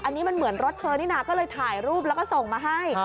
อันนี้มันเหมือนรถเธอนี่นะก็เลยถ่ายรูปแล้วก็ส่งมาให้